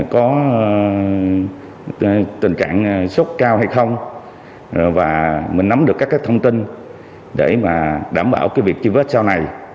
có tình trạng sốc cao hay không và mình nắm được các thông tin để đảm bảo việc chi vết sau này